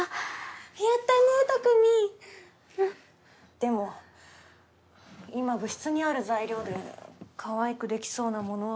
でも今部室にある材料でかわいくできそうなものは。